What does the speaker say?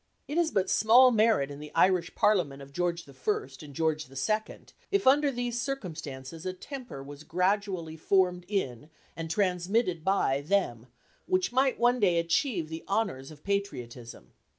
It is but small merit in the Irish Parliament of George I. and George II., if under these circumstances a temper was gradually formed in, and transmitted by, them, which might one day achieve the honours of patriotism.